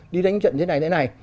đi đánh trận thế này thế này